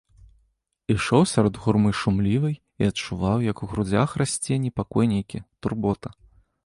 Ішоў сярод гурмы шумлівай і адчуваў, як у грудзях расце непакой нейкі, турбота.